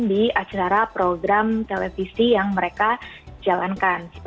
di acara program televisi yang mereka jalan kondisiarinya